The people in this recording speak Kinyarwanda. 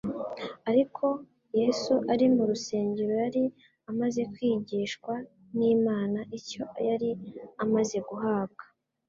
Ariko Yesu ari mu rusengero, yari amaze kwigishwa n'Imana. Icyo yari amaze guhabwa